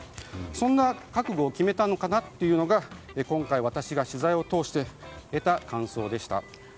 そんな覚悟を決めたのかなというのが今回、私が取材を通して得た感想でした。